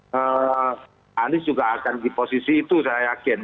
pak anies juga akan di posisi itu saya yakin